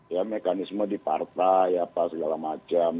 ya mekanisme di partai apa segala macam